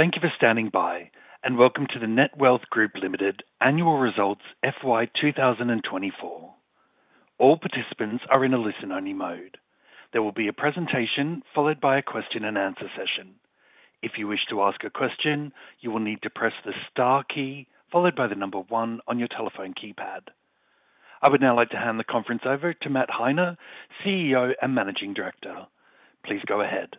Thank you for standing by, and welcome to the Netwealth Group Limited Annual Results, FY 2024. All participants are in a listen-only mode. There will be a presentation, followed by a question and answer session. If you wish to ask a question, you will need to press the star key, followed by the number one on your telephone keypad. I would now like to hand the conference over to Matt Heine, CEO and Managing Director. Please go ahead.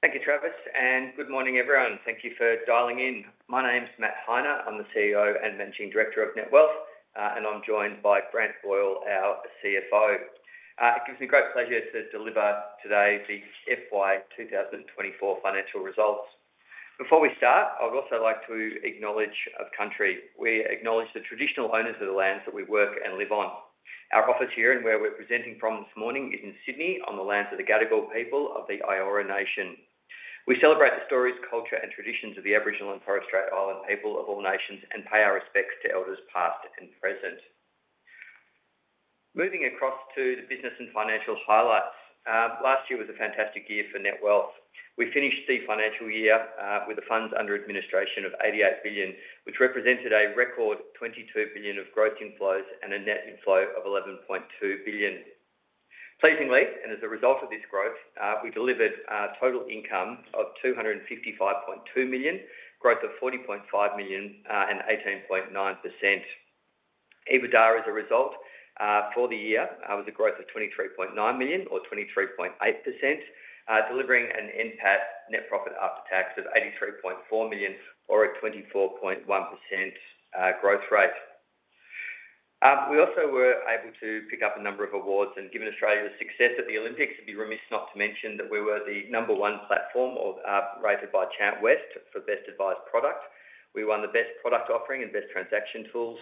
Thank you, Travis, and good morning, everyone. Thank you for dialing in. My name is Matt Heine. I'm the CEO and Managing Director of Netwealth, and I'm joined by Grant Boyle, our CFO. It gives me great pleasure to deliver today the FY 2024 financial results. Before we start, I would also like to acknowledge the country. We acknowledge the traditional owners of the lands that we work and live on. Our office here, and where we're presenting from this morning, is in Sydney, on the lands of the Gadigal people of the Eora Nation. We celebrate the stories, culture, and traditions of the Aboriginal and Torres Strait Islander people of all nations, and pay our respects to elders, past and present. Moving across to the business and financial highlights. Last year was a fantastic year for Netwealth. We finished the financial year, with the funds under administration of 88 billion, which represented a record 22 billion of growth inflows and a net inflow of 11.2 billion. Pleasingly, and as a result of this growth, we delivered, total income of 255.2 million, growth of 40.5 million, and 18.9%. EBITDA, as a result, for the year, was a growth of 23.9 million or 23.8%, delivering an NPAT, Net Profit After Tax, of 83.4 million or a 24.1%, growth rate. We also were able to pick up a number of awards, and given Australia's success at the Olympics, it'd be remiss not to mention that we were the number one platform or rated by Chant West for Best Advised Product. We won the Best Product Offering and Best Transaction Tools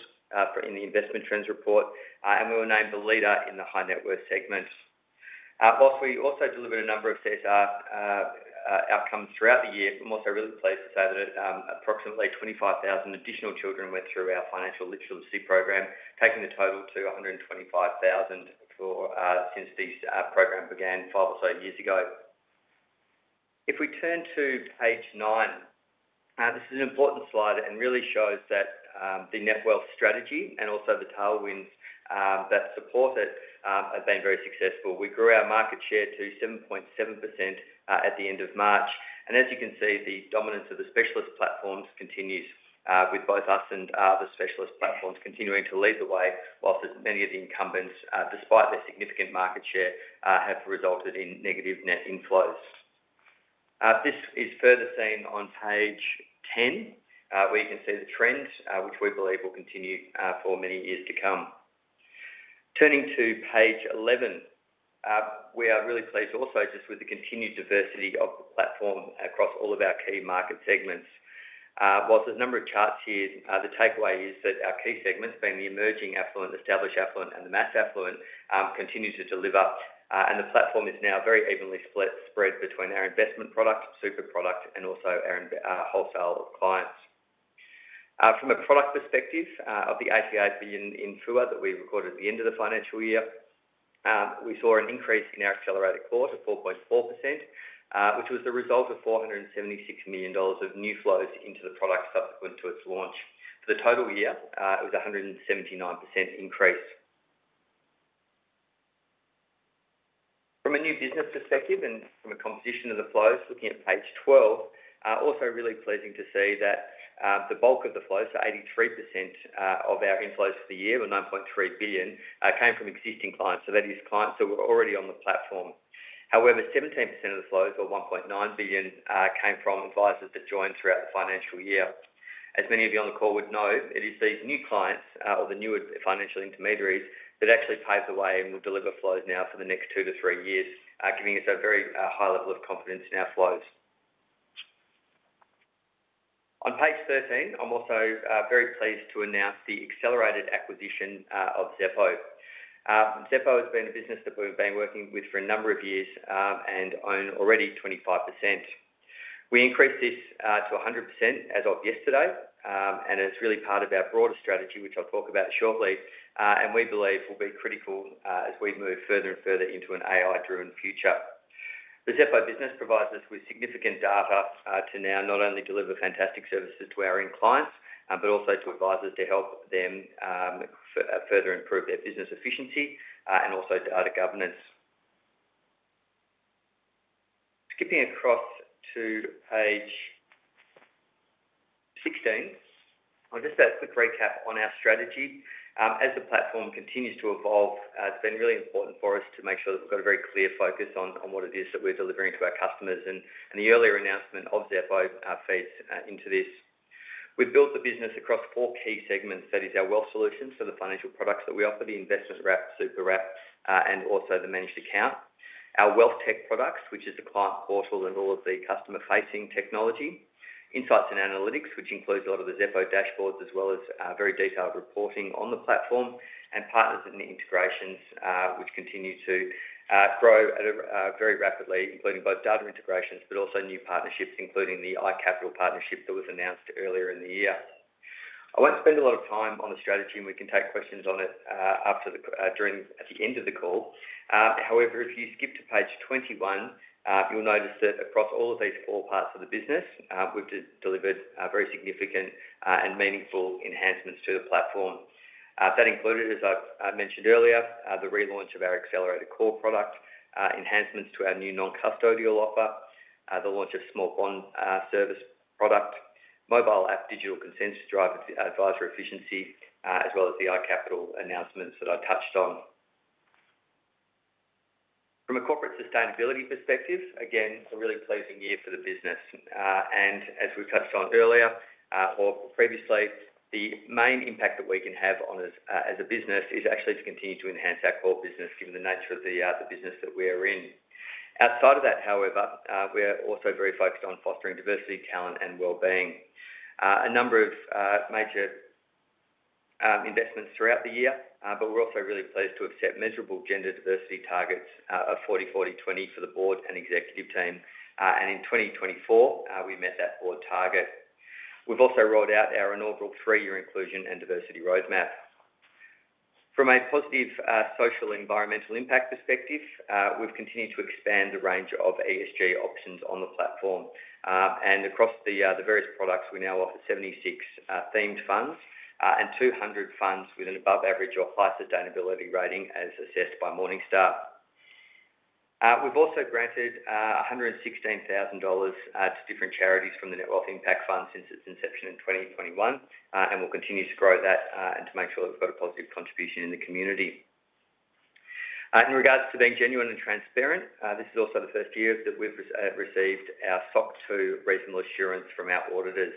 for in the Investment Trends Report, and we were named the leader in the high net worth segment. Whilst we also delivered a number of CSR outcomes throughout the year, I'm also really pleased to say that approximately 25,000 additional children went through our financial literacy program, taking the total to 125,000 for since the program began five or so years ago. If we turn to page nine, this is an important slide and really shows that the Netwealth strategy and also the tailwinds that support it have been very successful. We grew our market share to 7.7% at the end of March, and as you can see, the dominance of the specialist platforms continues with both us and the specialist platforms continuing to lead the way, whilst, as many of the incumbents, despite their significant market share, have resulted in negative net inflows. This is further seen on page 10, where you can see the trends, which we believe will continue for many years to come. Turning to page 11, we are really pleased also just with the continued diversity of the platform across all of our key market segments. While there's a number of charts here, the takeaway is that our key segments, being the emerging affluent, established affluent, and the mass affluent, continue to deliver, and the platform is now very evenly split, spread between our investment product, super product, and also our institutional wholesale clients. From a product perspective, of the 88 billion in FUA that we recorded at the end of the financial year, we saw an increase in our Accelerator Core 4.4%, which was the result of 476 million dollars of new flows into the product subsequent to its launch. For the total year, it was a 179% increase. From a new business perspective and from a composition of the flows, looking at page 12, also really pleasing to see that the bulk of the flows, so 83% of our inflows for the year, or 9.3 billion, came from existing clients. So that is clients that were already on the platform. However, 17% of the flows, or 1.9 billion, came from advisers that joined throughout the financial year. As many of you on the call would know, it is these new clients, or the newer financial intermediaries, that actually pave the way and will deliver flows now for the next two to three years, giving us a very high level of confidence in our flows. On page 13, I'm also very pleased to announce the accelerated acquisition of Xeppo. Xeppo has been a business that we've been working with for a number of years, and own already 25%. We increased this to 100% as of yesterday, and it's really part of our broader strategy, which I'll talk about shortly, and we believe will be critical as we move further and further into an AI-driven future. The Xeppo business provides us with significant data to now not only deliver fantastic services to our own clients, but also to advisers to help them further improve their business efficiency, and also to audit governance. Skipping across to page 16. Well, just a quick recap on our strategy. As the platform continues to evolve, it's been really important for us to make sure that we've got a very clear focus on what it is that we're delivering to our customers, and the earlier announcement of Xeppo feeds into this. We've built the business across four key segments. That is our wealth solutions, so the financial products that we offer, the Investment Wrap, Super Wrap, and also the managed account. Our WealthTech products, which is the client portal and all of the customer-facing technology. Insights and analytics, which includes a lot of the Xeppo dashboards, as well as very detailed reporting on the platform. Partners and integrations, which continue to grow at a very rapidly, including both data integrations but also new partnerships, including the iCapital partnership that was announced earlier in the year. I won't spend a lot of time on the strategy, and we can take questions on it after the, during, at the end of the call. However, if you skip to page 21, you'll notice that across all of these four parts of the business, we've delivered very significant and meaningful enhancements to the platform. That included, as I've mentioned earlier, the relaunch of our Accelerator Core product, enhancements to our new non-custodial offer, the launch of small bond parcel service, mobile app, digital consent, adviser efficiency, as well as the iCapital announcements that I touched on. From a corporate sustainability perspective, again, it's a really pleasing year for the business. As we touched on earlier, or previously, the main impact that we can have, as a business, is actually to continue to enhance our core business, given the nature of the business that we are in. Outside of that, however, we are also very focused on fostering diversity, talent, and well-being. A number of major investments throughout the year, but we're also really pleased to have set measurable gender diversity targets of 40/40/20 for the Board and Executive team. In 2024, we met that board target. We've also rolled out our inaugural three-year inclusion and diversity roadmap. From a positive social, environmental impact perspective, we've continued to expand the range of ESG options on the platform. And across the various products, we now offer 76 themed funds and 200 funds with an above average or high sustainability rating as assessed by Morningstar. We've also granted 116,000 dollars to different charities from the Netwealth Impact Fund since its inception in 2021, and we'll continue to grow that and to make sure that we've got a positive contribution in the community. In regards to being genuine and transparent, this is also the first year that we've received our SOC 2 reasonable assurance from our auditors.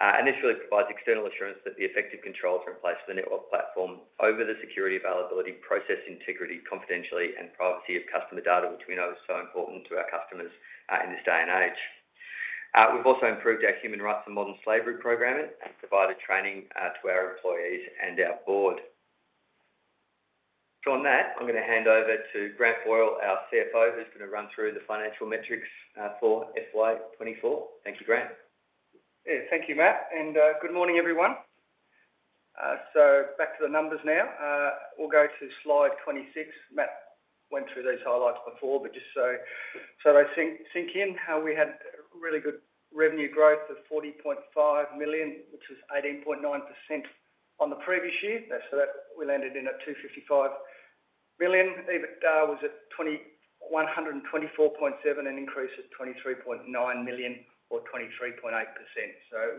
And this really provides external assurance that the effective controls are in place for the Netwealth platform over the security, availability, process, integrity, confidentiality, and privacy of customer data, which we know is so important to our customers, in this day and age. We've also improved our human rights and modern slavery programming, and provided training, to our employees and our board. So on that, I'm gonna hand over to Grant Boyle, our CFO, who's gonna run through the financial metrics, for FY 2024. Thank you, Grant. Yeah, thank you, Matt, and good morning, everyone. Back to the numbers now. We'll go to slide 26. Matt went through these highlights before, just so they sink in, how we had really good revenue growth of 40.5 million, which was 18.9% on the previous year. That landed in at 255 million. EBITDA was at 124.7 million, an increase of 23.9 million or 23.8%.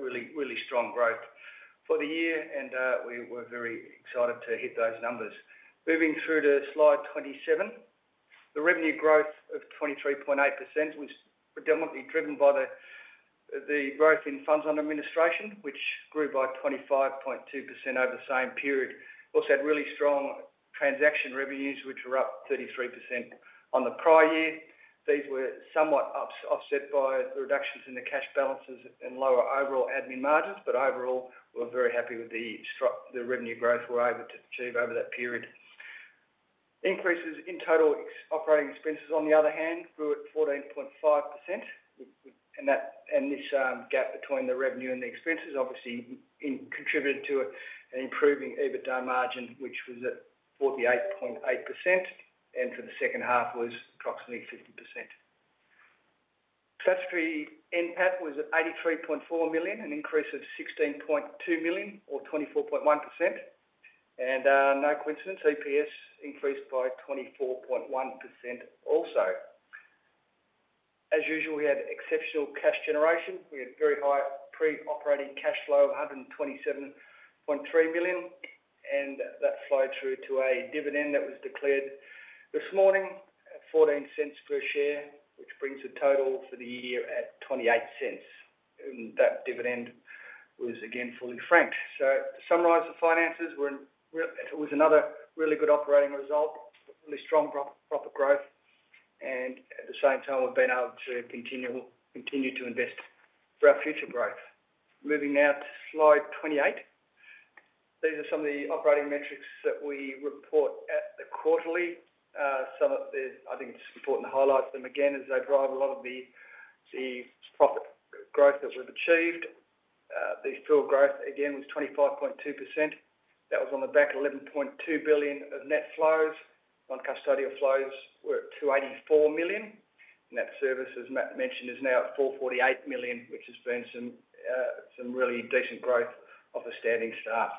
Really, really strong growth for the year, and we were very excited to hit those numbers. Moving through to slide 27, the revenue growth of 23.8%, which was predominantly driven by the growth in funds under administration, which grew by 25.2% over the same period. Also had really strong transaction revenues, which were up 33% on the prior year. These were somewhat offset by the reductions in the cash balances and lower overall admin margins, but overall, we're very happy with the revenue growth we're able to achieve over that period. Increases in total operating expenses, on the other hand, grew at 14.5%, and that gap between the revenue and the expenses obviously contributed to an improving EBITDA margin, which was at 48.8%, and for the second half was approximately 50%. Tax-free NPAT was at 83.4 million, an increase of 16.2 million or 24.1%, and no coincidence, EPS increased by 24.1% also. As usual, we had exceptional cash generation. We had very high pre-operating cash flow of 127.3 million, and that flowed through to a dividend that was declared this morning at 0.14 per share, which brings the total for the year at 0.28, and that dividend was again, fully franked. So to summarize, the finances were... It was another really good operating result, really strong profit growth, and at the same time, we've been able to continue to invest for our future growth. Moving now to slide 28. These are some of the operating metrics that we report at the quarterly. Some of the, I think it's important to highlight them again, as they drive a lot of the, the profit growth that we've achieved. The FUA growth, again, was 25.2%. That was on the back of 11.2 billion of net flows. Non-custodial flows were at 284 million. New service, as Matt mentioned, is now at 448 million, which has been some really decent growth off a standing start.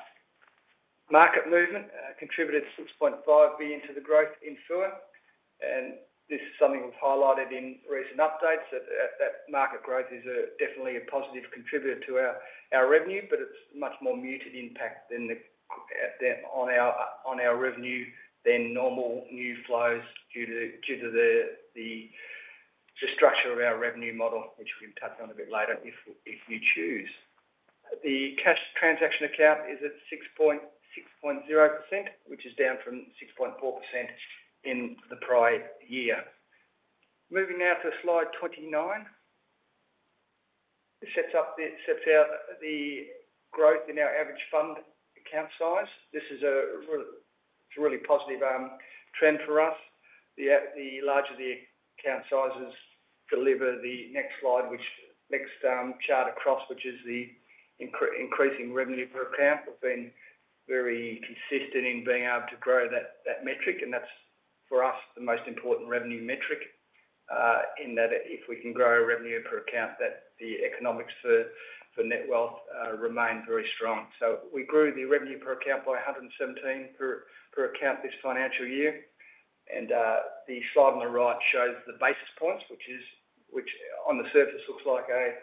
Market movement contributed 6.5 billion to the growth in FUA, and this is something we've highlighted in recent updates, that market growth is definitely a positive contributor to our revenue, but it's much more muted impact than on our revenue than normal new flows due to the structure of our revenue model, which we can touch on a bit later if you choose. The cash transaction account is at 6.0%, which is down from 6.4% in the prior year. Moving now to slide 29. This sets out the growth in our average fund account size. This is a really positive trend for us. The larger the account sizes deliver the next slide, which is the next chart across, which is the increasing revenue per account. We've been very consistent in being able to grow that metric, and that's, for us, the most important revenue metric, in that if we can grow our revenue per account, the economics for Netwealth remain very strong. So we grew the revenue per account by 117 per account this financial year, and the slide on the right shows the basis points, which on the surface looks like a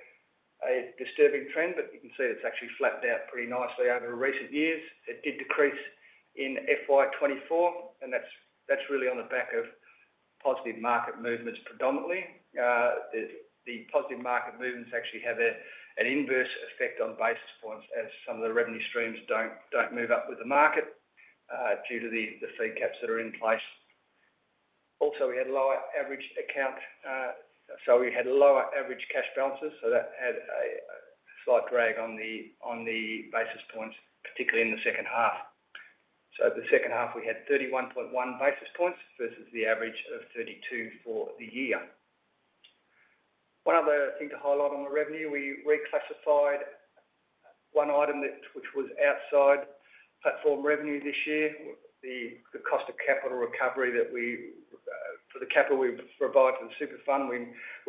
disturbing trend, but you can see it's actually flattened out pretty nicely over recent years. It did decrease in FY 2024, and that's really on the back of positive market movements, predominantly. The positive market movements actually have an inverse effect on basis points, as some of the revenue streams don't move up with the market, due to the fee caps that are in place. Also, we had lower average account. So we had lower average cash balances, so that had a slight drag on the basis points, particularly in the second half. So the second half, we had 31.1 basis points versus the average of 32 basis points for the year. One other thing to highlight on the revenue, we reclassified one item that, which was outside platform revenue this year. The cost of capital recovery that we for the capital we provide for the super fund, we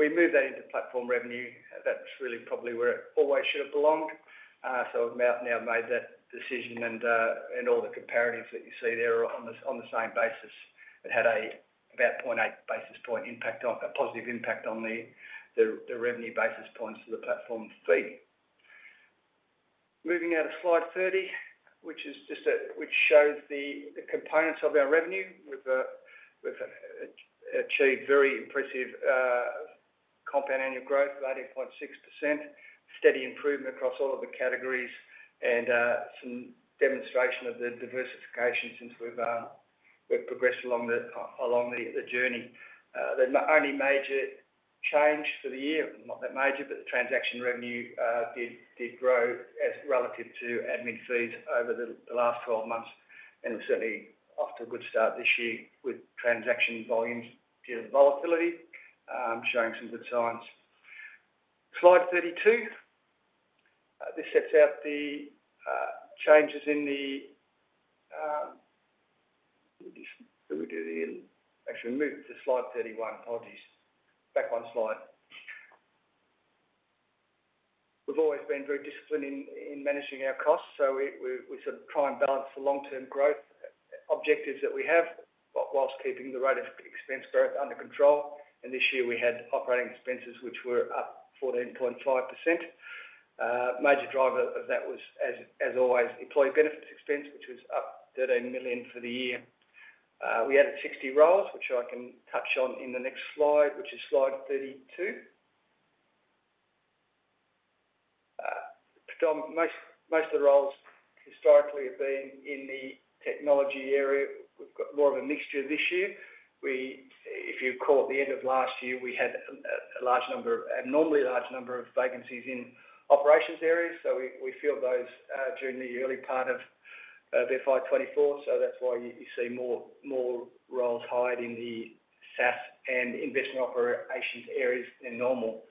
moved that into platform revenue. That's really probably where it always should have belonged. So we've now made that decision, and all the comparatives that you see there are on the same basis. It had about 0.8 basis point impact, a positive impact on the revenue basis points for the platform fee. Moving now to slide 30, which is just which shows the components of our revenue. We've achieved very impressive compound annual growth of 18.6%, steady improvement across all of the categories, and some demonstration of the diversification since we've progressed along the journey. The only major change for the year, not that major, but the transaction revenue did grow as relative to admin fees over the last 12 months, and we're certainly off to a good start this year with transaction volumes due to the volatility showing some good signs. Slide 32. This sets out the changes in the... Actually, move to slide 31. Apologies. Back one slide. We've always been very disciplined in managing our costs, so we sort of try and balance the long-term growth objectives that we have, but whilst keeping the rate of expense growth under control, and this year we had operating expenses, which were up 14.5%. Major driver of that was, as always, employee benefits expense, which was up 13 million for the year. We added 60 roles, which I can touch on in the next slide, which is slide 32. Most of the roles historically have been in the technology area. We've got more of a mixture this year. If you call it the end of last year, we had an abnormally large number of vacancies in operations areas, so we filled those during the early part of the FY 2024. So that's why you see more roles hired in the SaaS and investment operations areas than normal.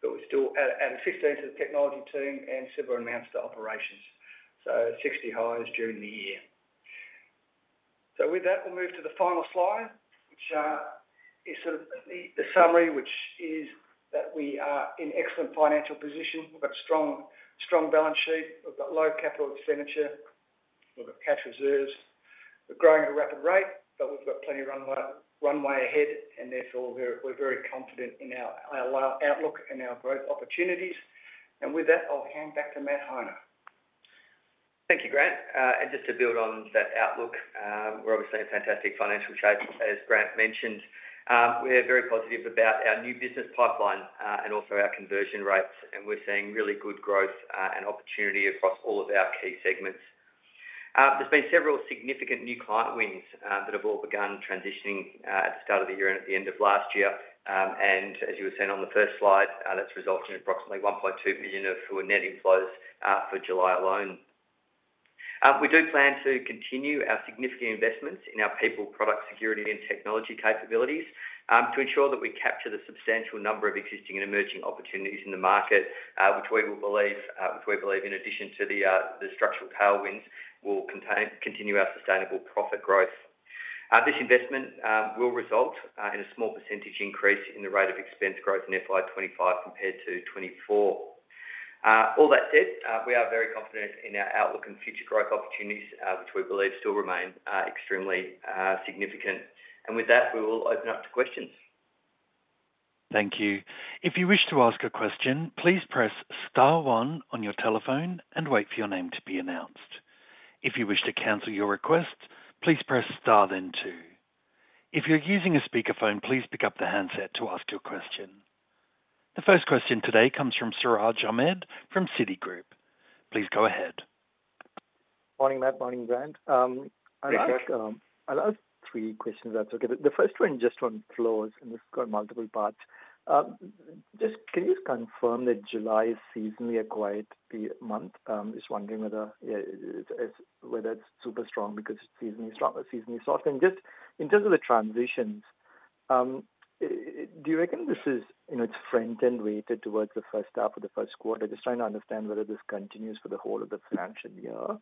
But we still added 16 to the technology team and similar amounts to operations, so 60 hires during the year. So with that, we'll move to the final slide, which is sort of the summary, which is that we are in excellent financial position. We've got strong, strong balance sheet. We've got low capital expenditure. We've got cash reserves. We're growing at a rapid rate, but we've got plenty of runway, runway ahead, and therefore, we're, we're very confident in our, our outlook and our growth opportunities. And with that, I'll hand back to Matt Heine. Thank you, Grant. And just to build on that outlook, we're obviously in fantastic financial shape, as Grant mentioned. We are very positive about our new business pipeline, and also our conversion rates, and we're seeing really good growth, and opportunity across all of our key segments. There's been several significant new client wins, that have all begun transitioning, at the start of the year and at the end of last year, and as you were saying on the first slide, that's resulted in approximately 1.2 billion of net inflows, for July alone. We do plan to continue our significant investments in our people, product, security, and technology capabilities, to ensure that we capture the substantial number of existing and emerging opportunities in the market, which we believe, in addition to the structural tailwinds, will continue our sustainable profit growth. This investment will result in a small percentage increase in the rate of expense growth in FY 2025 compared to 2024. All that said, we are very confident in our outlook and future growth opportunities, which we believe still remain extremely significant. And with that, we will open up to questions. Thank you. If you wish to ask a question, please press star one on your telephone and wait for your name to be announced. If you wish to cancel your request, please press star then two. If you're using a speakerphone, please pick up the handset to ask your question. The first question today comes from Siraj Ahmed from Citigroup. Please go ahead. Morning, Matt. Morning, Grant. I'd like, Hey, Siraj. I'll ask three questions, if that's okay. But the first one, just on flows, and it's got multiple parts. Just can you just confirm that July is seasonally a quiet month? Just wondering whether, yeah, it's whether it's super strong because it's seasonally strong or seasonally soft. And just in terms of the transitions, do you reckon this is, you know, it's front-end weighted towards the first half of the first quarter? Just trying to understand whether this continues for the whole of the financial year.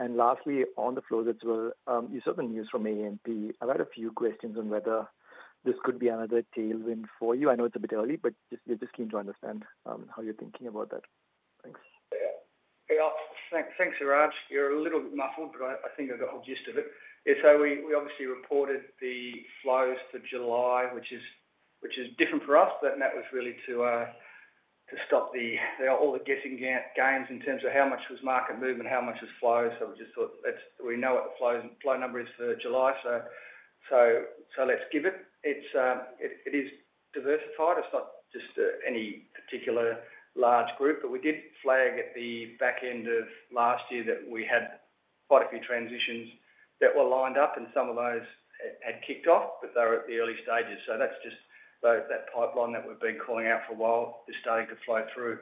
And lastly, on the flows as well, you saw the news from AMP. I've had a few questions on whether this could be another tailwind for you. I know it's a bit early, but just, we're just keen to understand, how you're thinking about that. Thanks. Yeah. Hey, thanks, Siraj. You're a little muffled, but I think I got the whole gist of it. Yeah, so we obviously reported the flows for July, which is different for us, but that was really to stop all the guessing games in terms of how much was market movement, how much was flow. So we just thought, let's, we know what the flow number is for July, so let's give it. It is diversified. It's not just any particular large group, but we did flag at the back end of last year that we had quite a few transitions that were lined up, and some of those had kicked off, but they were at the early stages. So that's just those, that pipeline that we've been calling out for a while, is starting to flow through.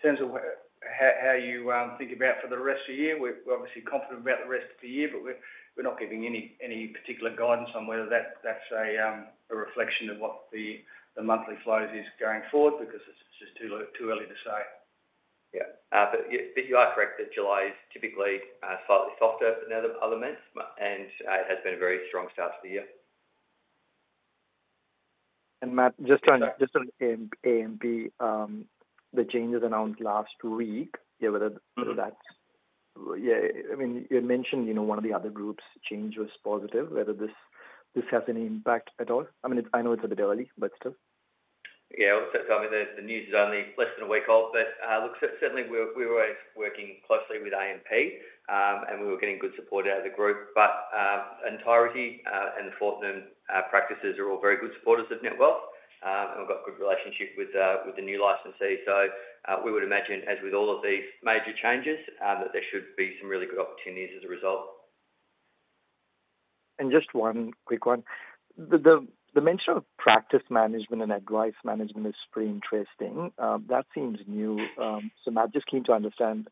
In terms of how you think about for the rest of the year, we're obviously confident about the rest of the year, but we're not giving any particular guidance on whether that's a reflection of what the monthly flows is going forward because it's just too early to say. Yeah, but you are correct that July is typically slightly softer than other months, and it has been a very strong start to the year. And Matt, just on AMP, the changes announced last week, yeah, whether that's... Yeah, I mean, you had mentioned, you know, one of the other groups, change was positive, whether this has any impact at all. I mean, I know it's a bit early, but still. Yeah, obviously, I mean, the news is only less than a week old, but, look, certainly we're always working closely with AMP, and we were getting good support out of the group. But, Entireti and Fortnum practices are all very good supporters of Netwealth. And we've got good relationship with the new licensee. So, we would imagine, as with all of these major changes, that there should be some really good opportunities as a result. Just one quick one. The mention of practice management and advice management is pretty interesting. That seems new. So Matt, just keen to understand,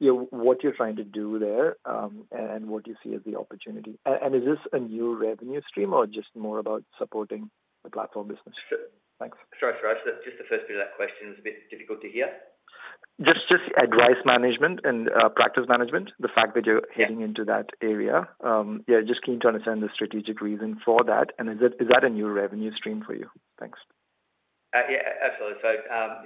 you know, what you're trying to do there, and what you see as the opportunity. And is this a new revenue stream or just more about supporting the platform business? Thanks. Sorry, Siraj, just the first bit of that question is a bit difficult to hear. Just, just advice management and, practice management, the fact that you're heading into that area. Yeah, just keen to understand the strategic reason for that, and is that, is that a new revenue stream for you? Thanks. Yeah, absolutely. So,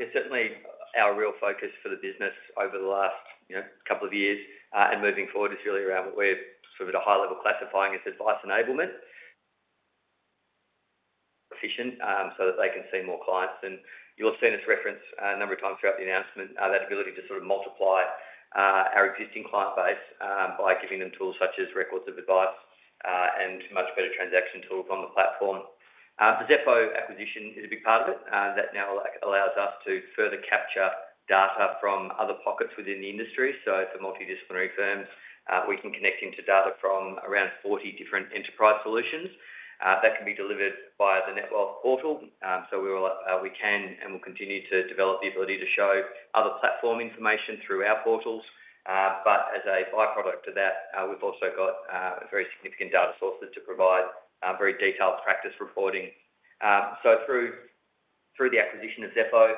it's certainly our real focus for the business over the last, you know, couple of years, and moving forward is really around what we're sort of at a high level classifying as advice enablement. Efficient, so that they can see more clients. And you'll have seen us reference a number of times throughout the announcement, that ability to sort of multiply our existing client base, by giving them tools such as records of advice, and much better transaction tools on the platform. The Xeppo acquisition is a big part of it. That now allows us to further capture data from other pockets within the industry. So for multidisciplinary firms, we can connect into data from around 40 different enterprise solutions, that can be delivered via the Netwealth portal. So we can and will continue to develop the ability to show other platform information through our portals. But as a by-product of that, we've also got very significant data sources to provide very detailed practice reporting. So through the acquisition of Xeppo,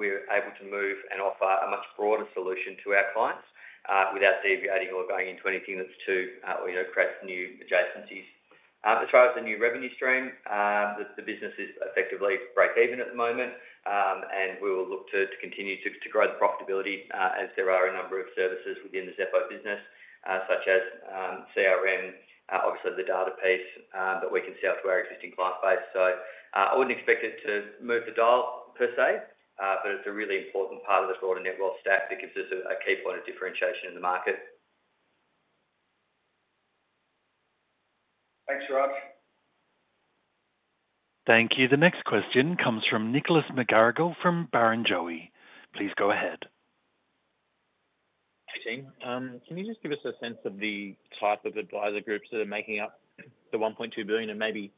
we're able to move and offer a much broader solution to our clients without deviating or going into anything that's too, you know, creates new adjacencies. As far as the new revenue stream, the business is effectively breakeven at the moment, and we will look to continue to grow the profitability, as there are a number of services within the Xeppo business, such as CRM, obviously the data piece, that we can sell to our existing client base. So, I wouldn't expect it to move the dial per se, but it's a really important part of the broader Netwealth stack that gives us a key point of differentiation in the market. Thanks, Siraj. Thank you. The next question comes from Nicholas McGarrigle, from Barrenjoey. Please go ahead. Hey, team. Can you just give us a sense of the type of adviser groups that are making up the 1.2 billion and maybe,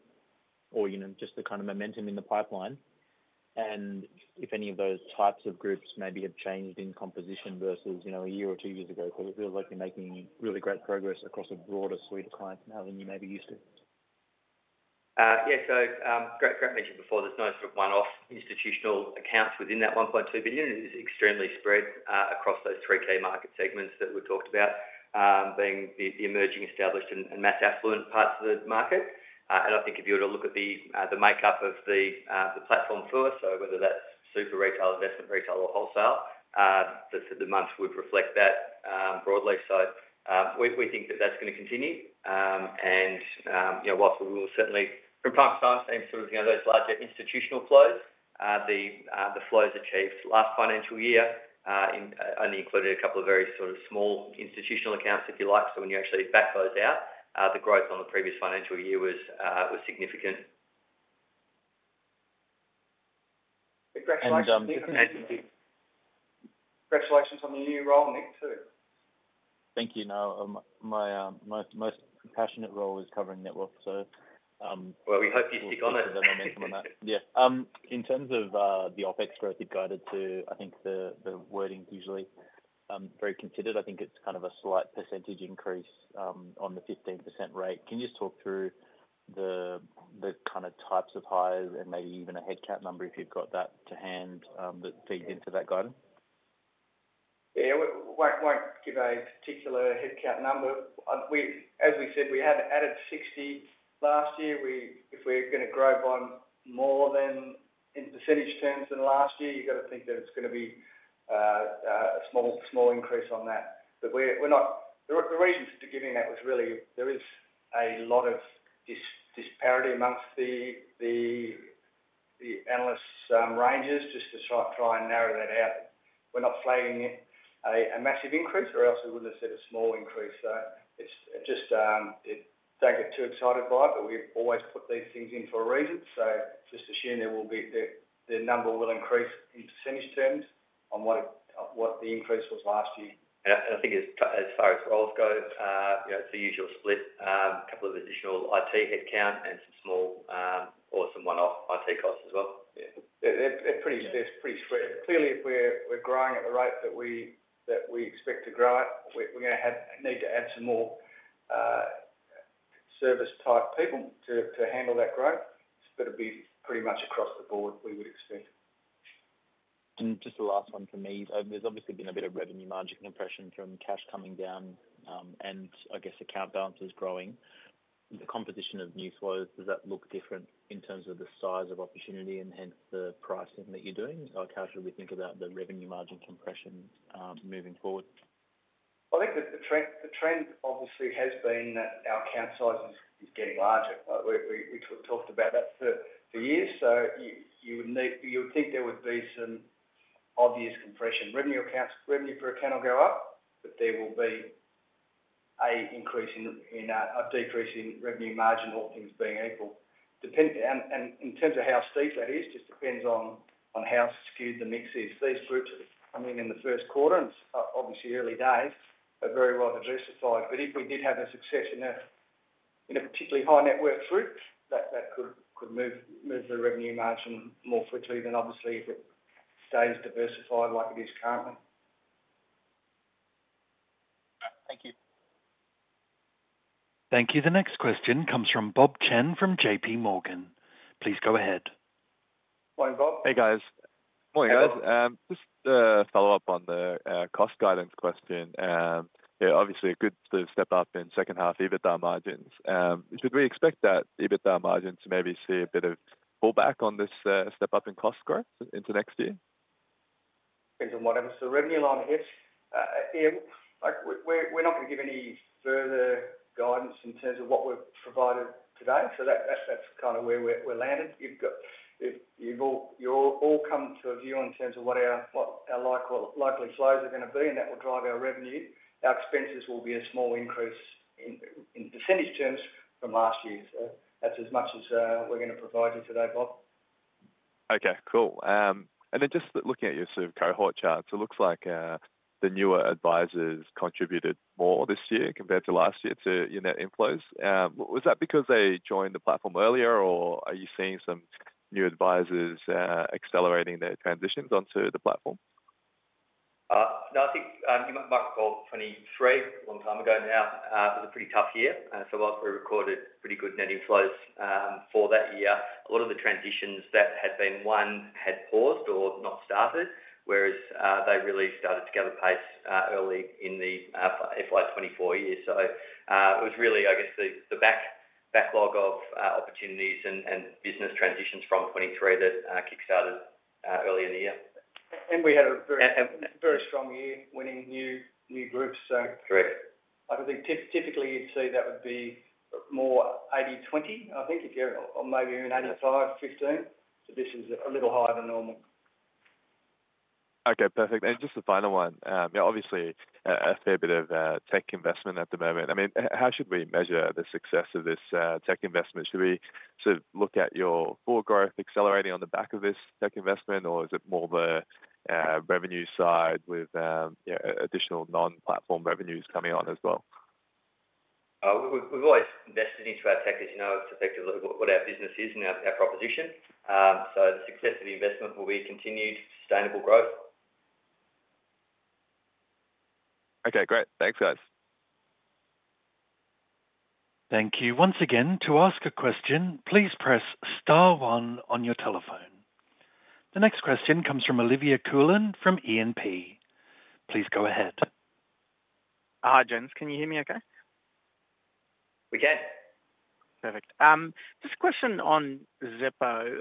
or, you know, just the kind of momentum in the pipeline? And if any of those types of groups maybe have changed in composition versus, you know, a year or two years ago, because it feels like you're making really great progress across a broader suite of clients now than you may be used to? Yeah, so, great, great mention before, there's no sort of one-off institutional accounts within that 1.2 billion. It is extremely spread across those three key market segments that we've talked about, being the emerging, established, and mass affluent parts of the market. And I think if you were to look at the makeup of the platform first, so whether that's super retail, investment retail, or wholesale, the months would reflect that broadly. So, we think that that's going to continue. And, you know, whilst we will certainly from time to time see sort of, you know, those larger institutional flows, the flows achieved last financial year only included a couple of very sort of small institutional accounts, if you like. When you actually back those out, the growth on the previous financial year was significant. Congratulations, congratulations on the new role, Nick, too. Thank you. Now, my most passionate role is covering Netwealth, so- Well, we hope you stick on it! Yeah. In terms of the OpEx growth you've guided to, I think the wording's usually very considered. I think it's kind of a slight percentage increase on the 15% rate. Can you just talk through the kind of types of hires and maybe even a headcount number, if you've got that to hand, that feed into that guidance? Yeah. We won't, won't give a particular headcount number. As we said, we had added 60 last year. We, if we're gonna grow by more than, in percentage terms than last year, you've got to think that it's gonna be a small increase on that. But we're not-- The reason for giving that was really, there is a lot of disparity amongst the analysts' ranges, just to try and narrow that out. We're not flagging it a massive increase, or else we would have said a small increase. So it's just, don't get too excited by it, but we've always put these things in for a reason. So just assume there will be the number will increase in percentage terms on what the increase was last year. And I think as far as roles go, you know, it's the usual split. A couple of additional IT headcount and some small, or some one-off IT costs as well. Yeah. They're pretty spread. Clearly, if we're growing at the rate that we expect to grow at, we're gonna have need to add some more service-type people to handle that growth. It's gonna be pretty much across the board, we would expect. Just the last one from me. There's obviously been a bit of revenue margin compression from cash coming down, and I guess, account balances growing. The composition of new flows, does that look different in terms of the size of opportunity and hence the pricing that you're doing? Or how should we think about the revenue margin compression, moving forward? I think the trend obviously has been that our account size is getting larger. But we talked about that for years, so you would need... You would think there would be some obvious compression. Revenue per account will go up, but there will be an increase in a decrease in revenue margin, all things being equal. And in terms of how steep that is, just depends on how skewed the mix is. These groups coming in the first quarter, and it's obviously early days, are very well diversified. But if we did have a success in a particularly high net worth group, that could move the revenue margin more quickly than obviously if it stays diversified like it is currently. Thank you. Thank you. The next question comes from Bob Chen from JPMorgan. Please go ahead. Morning, Bob. Hey, guys. Morning, guys. Hello. Just to follow up on the cost guidance question. Yeah, obviously, a good step up in second half EBITDA margins. Should we expect that EBITDA margin to maybe see a bit of pullback on this step up in cost growth into next year? Depends on what happens to the revenue line, yes. Yeah, like, we're not going to give any further guidance in terms of what we've provided today. So that's kind of where we're landed. If you've all come to a view in terms of what our likely flows are gonna be, and that will drive our revenue. Our expenses will be a small increase in percentage terms from last year. So that's as much as we're gonna provide you today, Bob. Okay, cool. And then just looking at your sort of cohort charts, it looks like the newer advisers contributed more this year compared to last year to your net inflows. Was that because they joined the platform earlier, or are you seeing some new advisers accelerating their transitions onto the platform? No, I think, you might call 2023 a long time ago now, it was a pretty tough year. So whilst we recorded pretty good net inflows, for that year, a lot of the transitions that had been one, had paused or not started, whereas, they really started to gather pace, early in the, FY 2024 year. So, it was really, I guess, the, the backlog of, opportunities and, and business transitions from 2023 that, kickstarted, earlier in the year. And we had a very a very strong year winning new groups, so. Correct. I think typically, you'd see that would be more 80/20, I think, if you're or maybe even 85/15. So this is a little higher than normal. Okay, perfect. And just the final one, yeah, obviously, a fair bit of tech investment at the moment. I mean, how should we measure the success of this tech investment? Should we sort of look at your full growth accelerating on the back of this tech investment, or is it more the revenue side with, you know, additional non-platform revenues coming on as well? We've always invested into our tech, as you know, it's effectively what our business is and our proposition. So the success of the investment will be continued sustainable growth. Okay, great. Thanks, guys. Thank you. Once again, to ask a question, please press star one on your telephone. The next question comes from Olivia Cullen, from E&P. Please go ahead. Hi, gents, can you hear me okay? We can. Perfect. Just a question on Xeppo.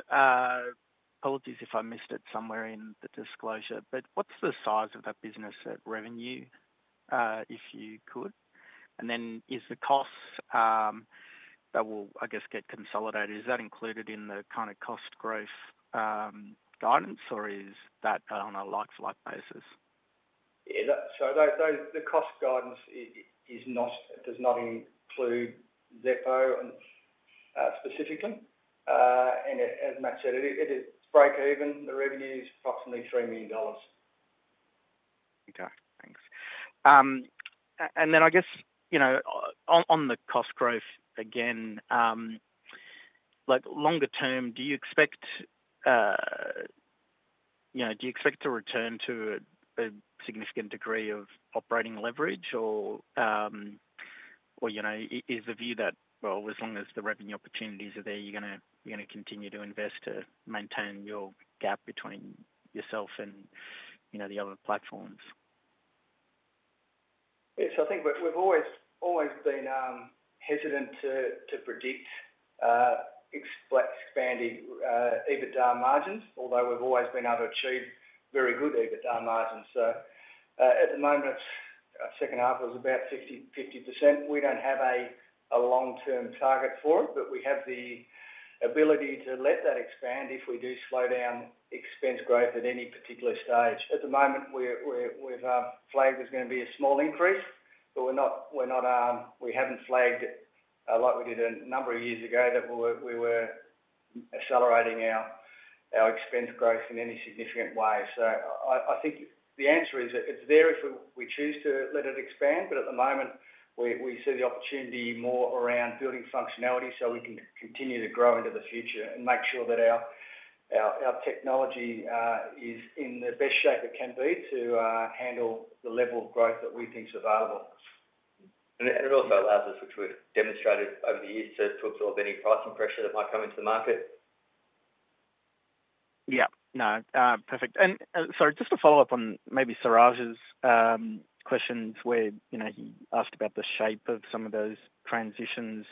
Apologies if I missed it somewhere in the disclosure, but what's the size of that business at revenue, if you could? And then, is the costs, that will, I guess, get consolidated, is that included in the kind of cost growth, guidance, or is that on a like-to-like basis? Yeah, so the cost guidance is not, it does not include Xeppo specifically. And as Matt said, it is breakeven. The revenue is approximately 3 million dollars. Okay, thanks. And then I guess, you know, on the cost growth again, like, longer term, do you expect, you know, do you expect to return to a significant degree of operating leverage or, you know, is the view that, well, as long as the revenue opportunities are there, you're gonna, you're gonna continue to invest to maintain your gap between yourself and, you know, the other platforms? Yes, I think we've always been hesitant to predict expanding EBITDA margins, although we've always been able to achieve very good EBITDA margins. So, at the moment, our second half was about 65%. We don't have a long-term target for it, but we have the ability to let that expand if we do slow down expense growth at any particular stage. At the moment, we've flagged there's gonna be a small increase, but we're not, we haven't flagged, like we did a number of years ago, that we were accelerating our expense growth in any significant way. So I think the answer is that it's there if we choose to let it expand, but at the moment, we see the opportunity more around building functionality, so we can continue to grow into the future and make sure that our technology is in the best shape it can be to handle the level of growth that we think is available. And it also allows us, which we've demonstrated over the years, to absorb any pricing pressure that might come into the market. Yeah, no, perfect. And, sorry, just to follow up on maybe Siraj's questions where, you know, he asked about the shape of some of those transitions,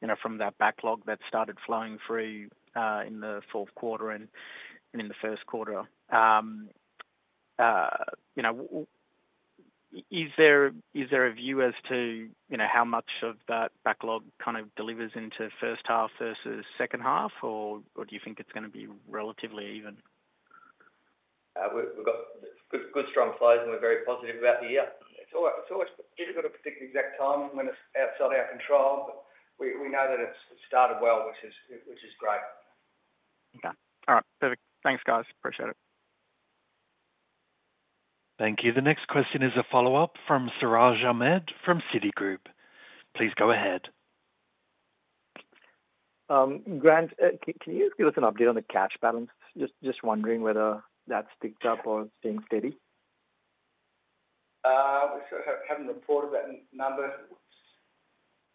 you know, from that backlog that started flowing through in the fourth quarter and in the first quarter. You know, is there a view as to, you know, how much of that backlog kind of delivers into first half versus second half, or do you think it's gonna be relatively even? We've got good strong flows, and we're very positive about the year. It's always difficult to predict the exact timing when it's outside our control, but we know that it's started well, which is great. Okay. All right, perfect. Thanks, guys, appreciate it. Thank you. The next question is a follow-up from Siraj Ahmed from Citigroup. Please go ahead. Grant, can you give us an update on the cash balance? Just wondering whether that's picked up or staying steady. We haven't reported that number.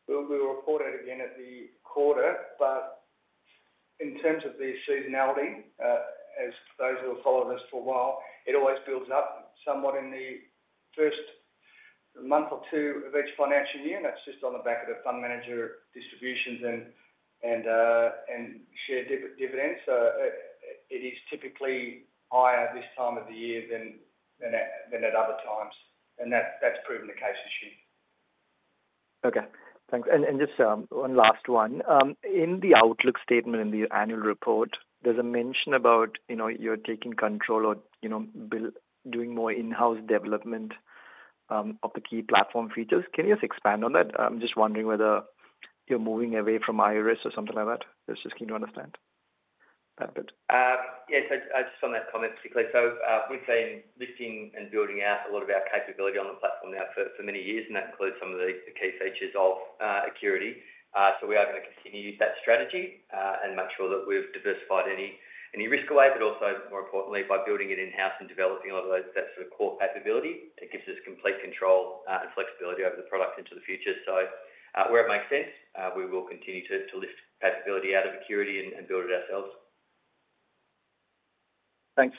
We'll report it again at the quarter, but in terms of the seasonality, as those who have followed us for a while, it always builds up somewhat in the first month or two of each financial year, and that's just on the back of the fund manager distributions and share dividends. So, it is typically higher this time of the year than at other times, and that's proven the case this year. Okay, thanks. And just one last one. In the outlook statement in the annual report, there's a mention about, you know, you're taking control or, you know, doing more in-house development of the key platform features. Can you just expand on that? I'm just wondering whether you're moving away from Iress or something like that. Just keen to understand that bit. Yes, I just on that comment particularly, so we've been lifting and building out a lot of our capability on the platform now for many years, and that includes some of the key features of Acurity. So we are gonna continue that strategy and make sure that we've diversified any risk away, but also more importantly, by building it in-house and developing a lot of those, that sort of core capability, it gives us complete control and flexibility over the product into the future. So where it makes sense, we will continue to lift capability out of Acurity and build it ourselves. Thanks.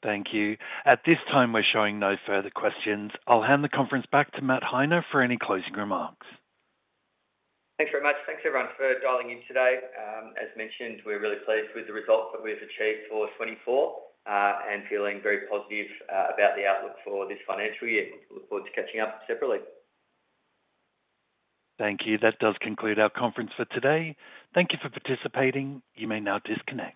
Thank you. At this time, we're showing no further questions. I'll hand the conference back to Matt Heine for any closing remarks. Thanks very much. Thanks, everyone, for dialing in today. As mentioned, we're really pleased with the results that we've achieved for 2024, and feeling very positive, about the outlook for this financial year. Look forward to catching up separately. Thank you. That does conclude our conference for today. Thank you for participating. You may now disconnect.